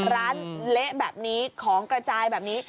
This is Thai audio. เละแบบนี้ของกระจายแบบนี้